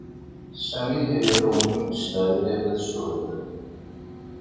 Sami iru mi yesla i Layla tcuhed.